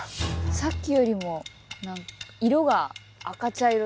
さっきよりもなんか色が赤茶色。